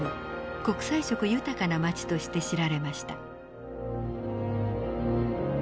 国際色豊かな街として知られました。